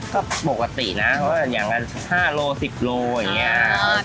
ก็ปกตินะอย่างนั้น๕โล๑๐โลอย่างนี้